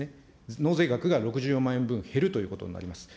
納税額が６４万円分減るということになります。